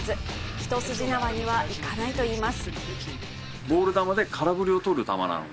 一筋縄にはいかないといいます。